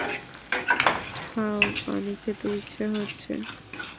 ঠাও পানি খেতে ইচ্ছা হচ্ছে!